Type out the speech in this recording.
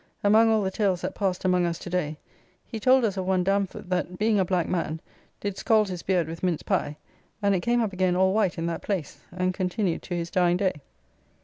Among all the tales that passed among us to day, he told us of one Damford, that, being a black man, did scald his beard with mince pie, and it came up again all white in that place, and continued to his dying day.